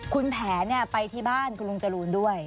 คุณแผนไปที่บ้านคุณลุงจรูนด้วย